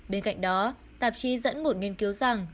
bên cạnh đó tạp chí dẫn một nghiên cứu rằng